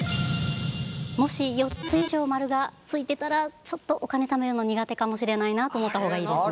もし４つ以上○が付いてたらちょっとお金ためるの苦手かもしれないなと思った方がいいですね。